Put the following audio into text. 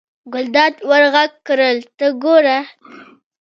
ګلداد ور غږ کړل: ته ګوره.